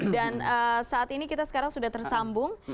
dan saat ini kita sekarang sudah tersambung